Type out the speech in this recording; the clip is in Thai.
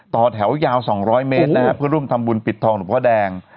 ต่อแถวยาวสองร้อยเมตรนะฮะเพื่อร่วมทำบุญปิดทองหลุมพ่อแดง